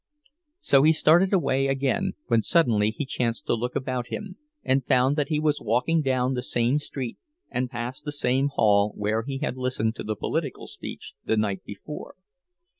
So he started away again, when suddenly he chanced to look about him, and found that he was walking down the same street and past the same hall where he had listened to the political speech the night before.